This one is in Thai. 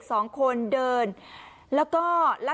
กลับบื้อไม่มีที่เอาเลย